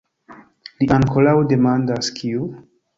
Li ankoraŭ demandas: kiu?